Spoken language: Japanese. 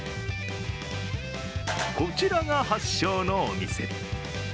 こちらが発祥のお店。